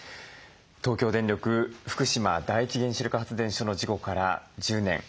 東京電力福島第一原子力発電所の事故から１０年。